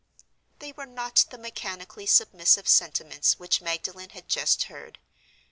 They were not the mechanically submissive sentiments which Magdalen had just heard.